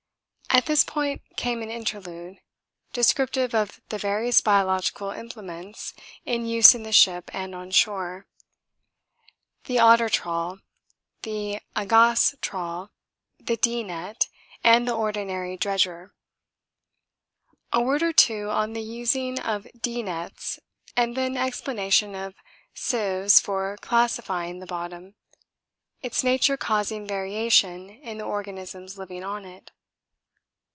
At this point came an interlude descriptive of the various biological implements in use in the ship and on shore. The otter trawl, the Agassiz trawl, the 'D' net, and the ordinary dredger. A word or two on the using of 'D' nets and then explanation of sieves for classifying the bottom, its nature causing variation in the organisms living on it.